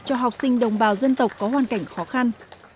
cho học sinh đồng bào dân tộc có hoàn cảnh khó khăn